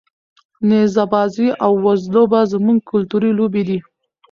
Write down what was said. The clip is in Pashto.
نیزه بازي او وزلوبه زموږ کلتوري لوبې دي.